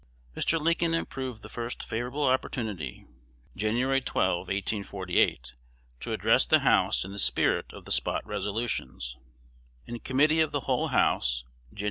Mr. Lincoln improved the first favorable opportunity (Jan. 12, 1818), to address the House in the spirit of the "Spot Resolutions." In Committee of the Whole House, Jan.